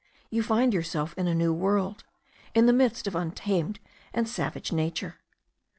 You find yourself in a new world, in the midst of untamed and savage nature.